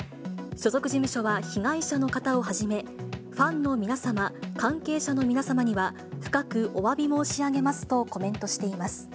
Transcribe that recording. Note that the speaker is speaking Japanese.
所属事務所は被害者の方をはじめ、ファンの皆様、関係者の皆様には、深くおわび申し上げますとコメントしています。